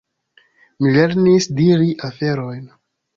Mi lernis diri aferojn.